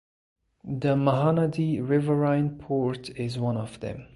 The Mahanadi Riverine Port is one of them.